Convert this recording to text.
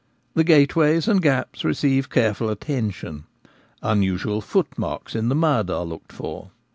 The gateways and gaps receive careful attention — unusual footmarks in the mud are looked for.